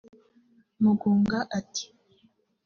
Mugunga ati